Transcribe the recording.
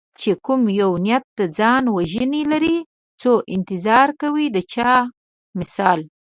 چې کوم یو نیت د ځان وژنې لري څو انتظار کوي د چا مثلا